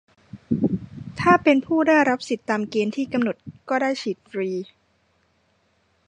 ถ้าเป็นผู้ได้รับสิทธิ์ตามเกณฑ์ที่กำหนดก็ได้ฉีดฟรี